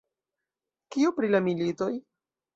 Kio pri la militoj?